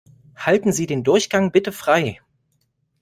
Halten Sie den Durchgang bitte frei!